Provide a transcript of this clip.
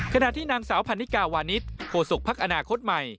ขณะที่นางสาวพันนิกาวานิสโฆษกภักดิ์อนาคตใหม่